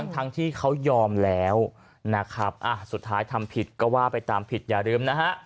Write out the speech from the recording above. ทั้งที่เขายอมแล้วนะครับสุดท้ายทำผิดก็ว่าไปตามผิดอย่าลืมนะฮะ